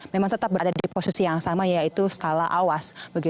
memang tetap berada di posisi yang sama yaitu skala awas